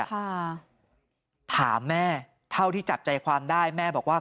ค่ะถามแม่เท่าที่จับใจความได้แม่บอกว่า